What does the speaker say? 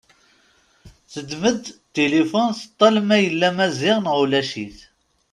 Teddem-d tilifun teṭṭal ma yella Maziɣ neɣ ulac-it.